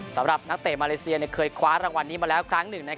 สำหรับนักเตะมาเลเซียเคยคว้ารางวัลนี้มาแล้วครั้งหนึ่ง